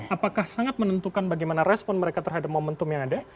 apakah sangat menentukan bagaimana respon mereka terhadap momentum yang ada